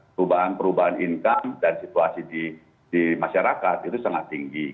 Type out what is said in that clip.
perubahan perubahan income dan situasi di masyarakat itu sangat tinggi